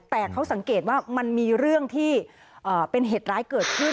แต่เขาสังเกตว่ามันมีเรื่องที่เป็นเหตุร้ายเกิดขึ้น